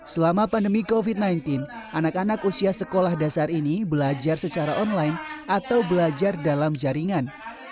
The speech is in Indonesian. selama pandemi covid sembilan belas anak anak usia sekolah dasar ini belajar secara online atau belajar dalam jaringan